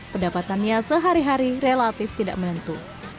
pendapatannya sehari hari relatif tidak menentu